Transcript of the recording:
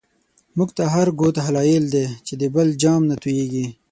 مونږ ته هر گوت هلایل دی، چی د بل جام نه توییږی